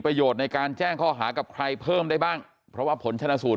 ในการแจ้งข้อหากับใครเพิ่มได้บ้างเพราะว่าผลชนะสูตร